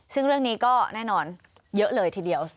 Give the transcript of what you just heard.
ซึ่งเรื่องนี้ก็แน่นอนเยอะเลยทีเดียว